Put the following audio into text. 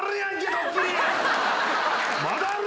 ドッキリ。